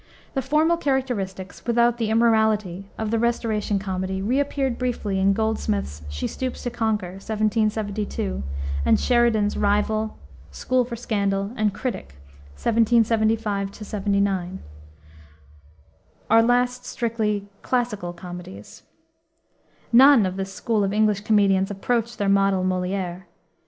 The formal characteristics, without the immorality, of the Restoration comedy, re appeared briefly in Goldsmith's She Stoops to Conquer, 1772, and Sheridan's Rival, School for Scandal, and Critic, 1775 9, our last strictly "classical" comedies. None of this school of English comedians approached their model, Molière.